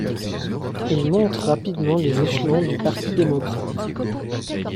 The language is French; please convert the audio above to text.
Il monte rapidement les échelons du Parti démocrate.